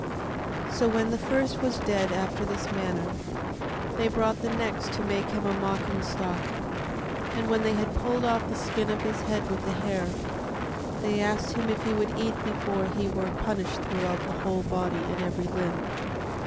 7:7. So when the first was dead after this manner, they brought the next to make him a mocking stock: and when they had pulled off the skin of his head with the hair, they asked him if he would eat, before he were punished throughout the whole body in every limb.